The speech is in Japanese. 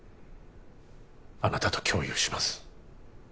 あなたと共有します